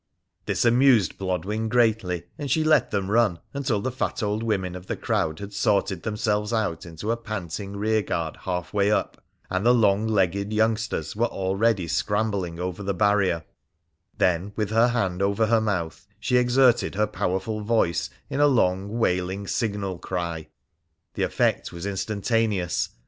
This amused Blodwen greatly, and she let them run until the fat old women of the crowd had sorted themselves out into a panting rearguard halfway up, and the long legged youngsters were already scrambling over the barrier : then, with her hand over her mouth, she exerted her powerful voice in a long, wailing signal cry. The effect was instantaneous.